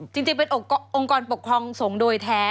จริงเป็นองค์กรปกครองสงฆ์โดยแท้